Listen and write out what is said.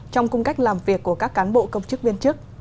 trong cung cách làm việc của các cán bộ công chức viên chức